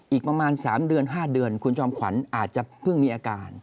อีกประมาณ๓เดือน๕เดือนคุณจอมขวัญอาจจะเพิ่งมีอาการ